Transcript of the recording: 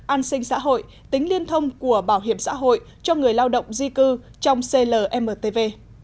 an sinh xã hội tính liên thông của bảo hiểm xã hội cho người lao động di cư trong clmtv